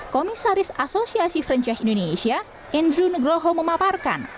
komisaris asosiasi franchise indonesia andrew nugroho memaparkan